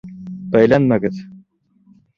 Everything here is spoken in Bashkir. Бәйләнмәгеҙ!